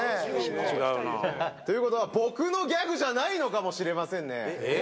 違うな。ということは僕のギャグじゃないのかもしれませんね。